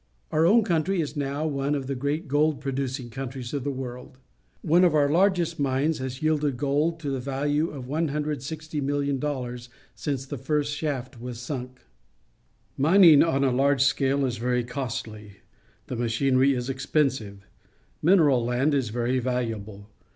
Our own country is now. one of the great gold producing countries of the world. One of our largest mines has yielded gold to the value of $160,000,000 since the first shaft was sunk. Mining on a large scale is very costly. The machinery is expensive. Mineral land is very valuable.